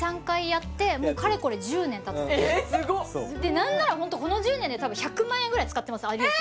何ならこの１０年で多分１００万円ぐらい使ってます有吉さん